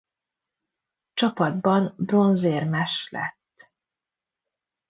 Csapatban bronzérmes lett.